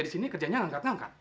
di sini kerjanya ngangkat ngangkat